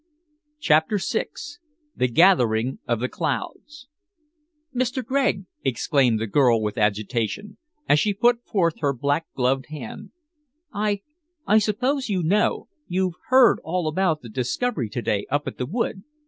CHAPTER VI THE GATHERING OF THE CLOUDS "Mr. Gregg," exclaimed the girl with agitation, as she put forth her black gloved hand, "I I suppose you know you've heard all about the discovery to day up at the wood?